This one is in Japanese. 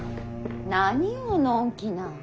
何をのんきな。